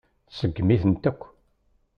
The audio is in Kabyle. Tseggem-itent akk.